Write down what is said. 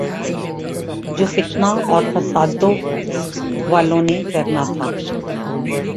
جو فتنہ اورفسادوالوں نے کرنا تھا۔